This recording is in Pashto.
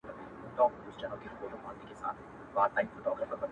دوی پخپله هم یو بل سره وژله؛